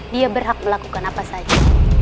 dia berhak melakukan apa saja